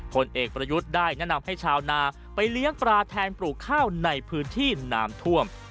ผลเอกประยุทธ์ได้แนะนำให้ชาวนาไปเลี้ยงปลาแทนปลูกข้าวในพื้นที่น้ำท่วม